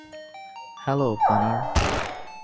Hello, গানার।